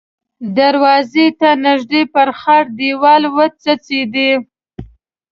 دروازې ته نږدې پر خړ دېوال وڅڅېدې.